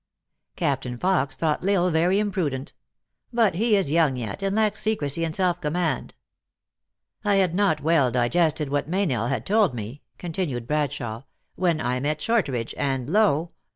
Captain Fox thought L Isle very imprudent. " But he is young yet, and lacks secrecy and self command." "I had not well digested what Meynell had told me," continued Bradshawe, "when I met Shortridge, and lo